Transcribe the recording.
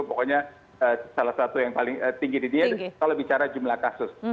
pokoknya salah satu yang paling tinggi di dia itu kalau bicara jumlah kasus